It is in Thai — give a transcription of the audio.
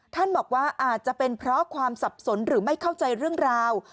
ท่านบอกว่าอาจจะเป็นเพราะความสับสนหรือไม่เข้าใจเรื่องราว